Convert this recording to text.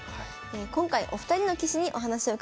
今回お二人の棋士にお話を伺いました。